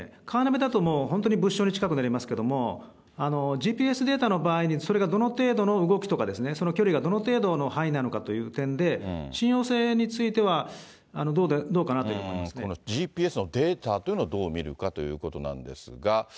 カーナビだともう本当に物証に近くなりますけど、ＧＰＳデータの場合にそれがどの程度の動きとかその距離がどの程度の範囲なのかという点で、信用性についてはどうかなと思いますＧＰＳのデータというのをどう見るかということなんですが。